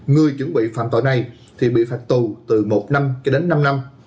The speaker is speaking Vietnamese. người chuẩn bị phạm tội này thì bị phạt tù từ một năm cho đến năm năm